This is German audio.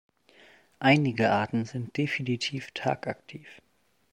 Einige Arten sind definitiv tagaktiv.